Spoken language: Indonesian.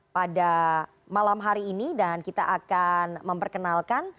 pada malam hari ini dan kita akan memperkenalkan